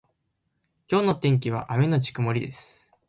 今日の天気は雨のち曇りです。